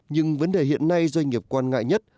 nhưng vấn đề hiện nay doanh nghiệp quan ngại nhất